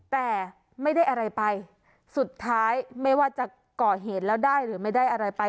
แต่ไม่ได้อะไรไปสุดท้ายไม่ว่าจะก่อเหตุแล้วได้หรือไม่ได้อะไรไป